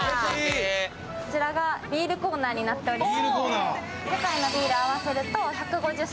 こちらがビールコーナーになっております。